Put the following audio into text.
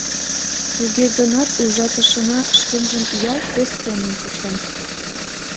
Туге гынат ужатышына шкенжым ялт вес семын куча.